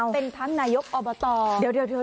เป็นทั้งนายกอบตร